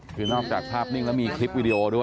คือนอกจากภาพนิ่งแล้วมีคลิปวิดีโอด้วย